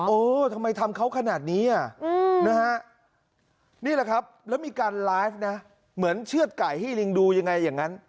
เออทำไมทำเขาขนาดนี้อ่ะนะฮะนี่แหละครับแล้วมีการไลฟ์นะเหมือนเชื่อดไก่ให้ลิงดูยังไงอย่างนั้น